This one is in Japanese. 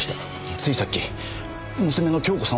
ついさっき娘の亨子さん